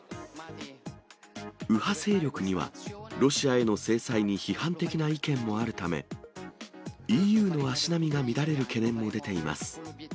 右派勢力には、ロシアへの制裁に批判的な意見もあるため、ＥＵの足並みが乱れる懸念も出ています。